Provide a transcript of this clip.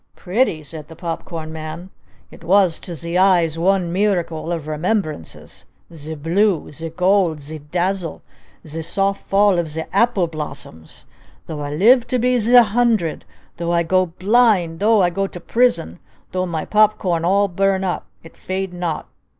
"Pretty?" said the Pop Corn Man. "It was to zee eyes one miracle of remembrances! Zee blue! Zee gold! Zee dazzle! Zee soft fall of zee apple blossoms! Though I live to be zee hundred! Though I go blind! Though I go prison! Though my pop corn all burn up! It fade not!